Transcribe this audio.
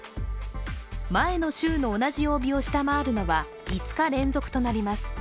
前の週の同じ曜日を下回るのは５日連続となります。